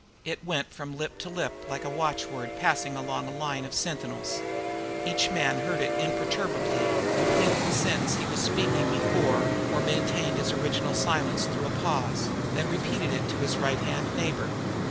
It went from lip to lip like a watchword passing along a line of sentinels. Each man heard it imperturbably, completed the sentence he was speaking before, or maintained his original silence through a pause, and then repeated it to his right hand neighbour.